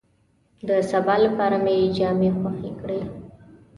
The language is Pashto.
د سبا لپاره مې جامې خوې کړې.